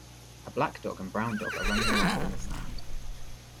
A black dog and brown dog are running around in the sand.